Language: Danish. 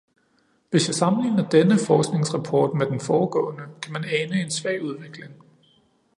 Hvis jeg sammenligner denne forskningsrapport med den foregående, kan man ane en svag udvikling.